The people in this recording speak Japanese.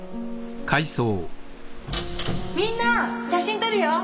みんな写真撮るよ！